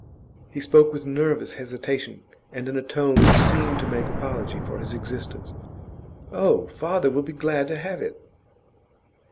He spoke with nervous hesitation, and in a tone which seemed to make apology for his existence. 'Oh, father will be very glad to have it.